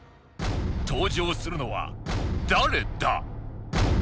登場するのは誰だ？